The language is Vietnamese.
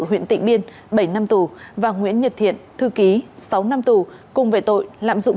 huyện tịnh biên bảy năm tù và nguyễn nhật thiện thư ký sáu năm tù cùng về tội lạm dụng